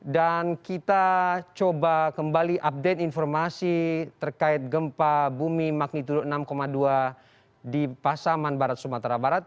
dan kita coba kembali update informasi terkait gempa bumi magnitudo enam dua di pasaman barat sumatera barat